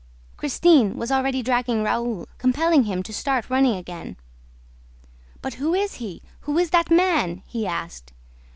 Christine was already dragging Raoul, compelling him to start running again. "But who is he? Who is that man?" he asked.